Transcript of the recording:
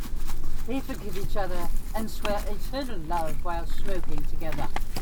They forgive each other and swear eternal love while smoking together.